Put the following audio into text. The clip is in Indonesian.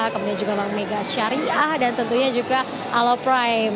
kemudian juga bank mega syariah dan tentunya juga aloprime